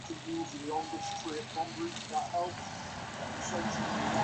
যদি তিনি এই শক্তিগুলি লাভ করিতে প্রলুব্ধ হন, তবে তাঁহার অগ্রগতি ব্যাহত হয়।